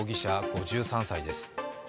５３歳です。